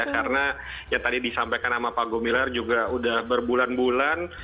karena yang tadi disampaikan sama pak gumilar juga sudah berbulan bulan